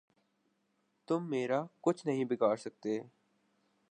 تم میرا کچھ نہیں بگاڑ سکتے۔